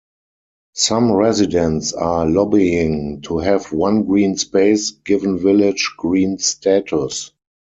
Some residents are lobbying to have one green space given village green status.